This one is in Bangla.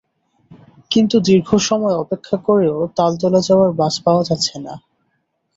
কিন্তু দীর্ঘ সময় অপেক্ষা করেও তালতলা যাওয়ার বাস পাওয়া যাচ্ছে না।